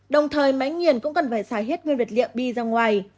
đồng thời máy nghiền cũng cần phải xài hết nguyên vật liệu bi ra ngoài